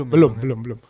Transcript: belum belum belum